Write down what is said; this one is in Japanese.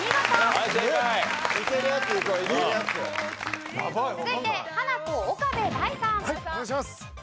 はいお願いします。